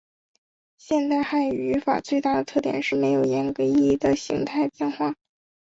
现代汉语语法最大的特点是没有严格意义的形态变化。